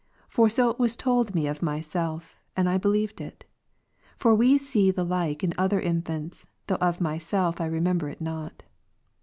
5 for so it was told me of myself, and I believed it ; for we see the like in other infants, though of myself I remember it not.